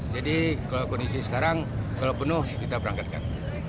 jadi kalau kondisi sekarang kalau penuh kita perangkatkan